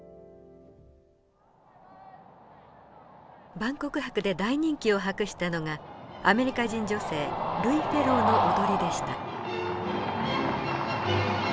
万国博で大人気を博したのがアメリカ人女性ルイ・フェローの踊りでした。